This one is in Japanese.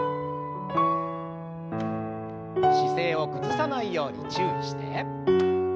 姿勢を崩さないように注意して。